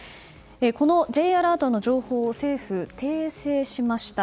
このＪアラートの情報を政府は訂正しました。